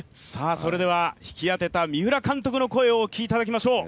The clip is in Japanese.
それでは、引き当てた三浦監督の声をお聞きいただきましょう。